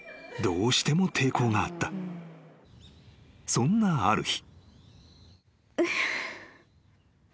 ［そんなある日］